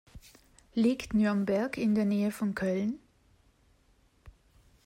Liegt Nürnberg in der Nähe von Köln?